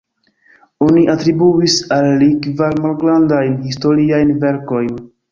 Oni atribuis al li kvar malgrandajn historiajn verkojn.